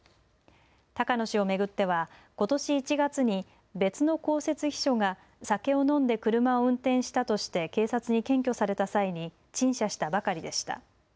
高野氏を巡ってはことし１月に別の公設秘書が酒を飲んで車を運転したとして警察に検挙された際に陳謝したばかりでした。